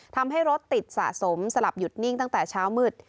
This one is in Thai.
ทำให้รถติดสะสมสลับหยุดนิ่งตั้งแต่เช้ามืด